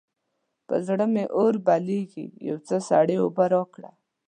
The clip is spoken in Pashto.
پر زړه مې اور بلېږي؛ يو څه سړې اوبه راکړه.